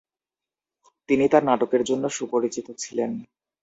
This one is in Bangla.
তিনি তাঁর নাটকের জন্য সুপরিচিত ছিলেন।